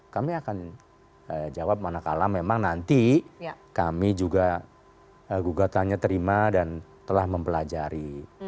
kami akan jawab manakala memang nanti kami juga gugatannya terima dan telah mempelajari